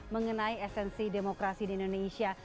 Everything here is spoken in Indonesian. mengenai esensi demokrasi di indonesia